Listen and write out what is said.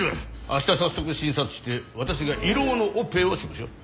明日早速診察して私が胃ろうのオペをしましょう。